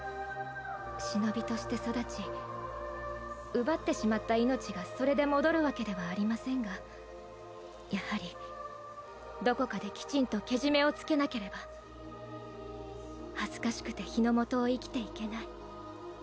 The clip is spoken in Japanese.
忍として育ち奪ってしまった命がそれで戻るわけではありませんがやはりどこかできちんとけじめをつけなければ恥ずかしくて日の下を生きていけない。